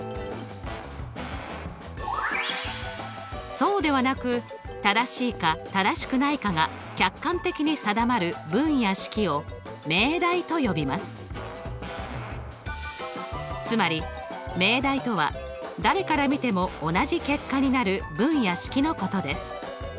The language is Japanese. そうではなくつまり命題とは誰から見ても同じ結果になる文や式のことです。